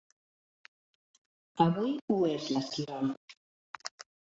Avui ho és l'Esquirol.